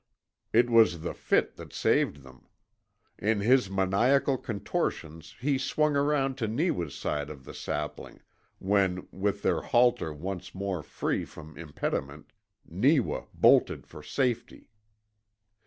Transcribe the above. It was the fit that saved them. In his maniacal contortions he swung around to Neewa's side of the sapling, when, with their halter once more free from impediment, Neewa bolted for safety.